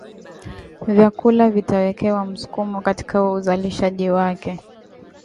Vyakula vitawekewa msukumo katika uzalishaji wake